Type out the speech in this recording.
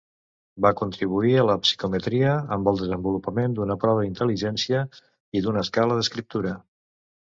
Va contribuir a la psicometria amb el desenvolupament d'una prova d'intel·ligència i d'una escala d'escriptura.